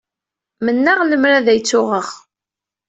Mennaɣ lemmer d ay tt-uɣeɣ!